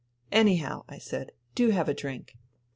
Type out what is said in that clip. " Anyhow," I said, " do have a drink."